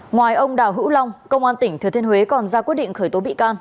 ngoài ông đào hữu long công an tỉnh thừa thiên huế còn ra quyết định khởi tố bị can